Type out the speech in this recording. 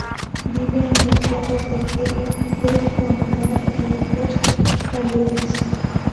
Vive en los claros de tierra de romeral y en los taludes.